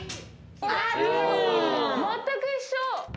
全く一緒。